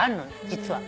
実は。